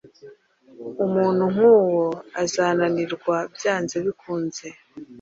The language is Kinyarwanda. Umuntu nkuwo azananirwa byanze bikunze